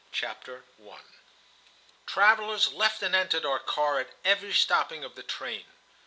CHAPTER I. Travellers left and entered our car at every stopping of the train.